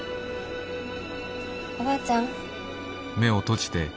おばあちゃん。